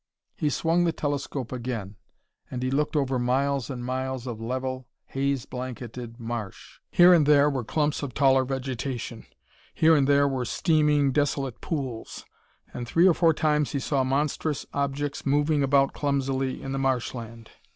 He swung the telescope yet again. And he looked over miles and miles of level, haze blanketed marsh. Here and there were clumps of taller vegetation. Here and there were steaming, desolate pools. And three or four times he saw monstrous objects moving about clumsily in the marsh land.